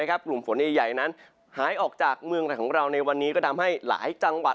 กลุ่มฝนใหญ่นั้นหายออกจากเมืองของเราในวันนี้ก็ทำให้หลายจังหวัด